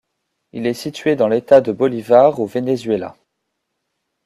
Il est situé dans l'État de Bolívar au Venezuela.